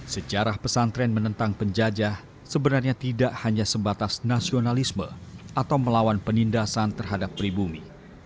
sejarah pesantren menentang penjajah sebenarnya tidak hanya sebatas nasionalisme atau melawan penindasan terhadap pribumi